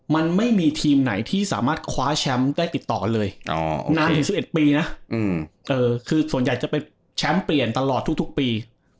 มันไม่มีทีมไหนที่สามารถคว้าแชมป์ได้ติดต่อเลยนานถึง๑๑ปีนะคือส่วนใหญ่จะเป็นแชมป์เปลี่ยนตลอดทุกปี